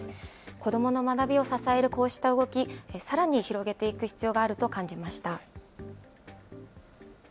子どもの学びを支えるこうした動き、さらに広げていく必要があると感じました。